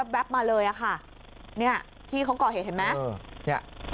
แว๊บมาเลยค่ะที่เขาก่อเห็นไหม